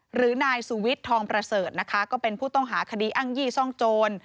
หรือนายสุวิทย์ทองประเสริฐนะคะก็เป็นผู้ต้องหาคดีอ้างยี่ซ่องโจร